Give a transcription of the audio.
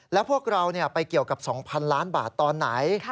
แล้วพวกเราไปเกี่ยวกับ๒๐๐๐ล้านบาทตอนไหน